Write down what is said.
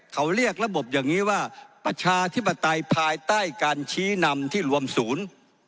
เขาเรียกระบบอย่างนี้ว่าประชาธิปไตยภายใต้การชี้นำที่รวมศูนย์